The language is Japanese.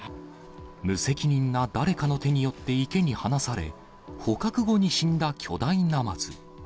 無責任な誰かの手によって池に放され、捕獲後に死んだ巨大ナマズ。